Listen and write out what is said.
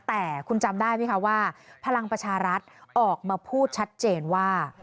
แต่คุณจำได้ไหมคะว่าพลังประชารัฐออกมาพูดชัดเจนว่า